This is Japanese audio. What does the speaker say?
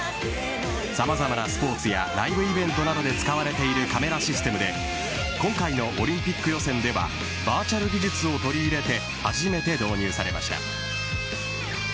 様々なスポーツやライブイベントなどで使われているカメラシステムで今回のオリンピック予選ではバーチャル技術を取り入れて初めて導入されました。